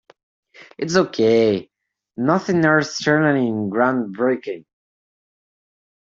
It's ok, nothing earth-shatteringly groundbreaking.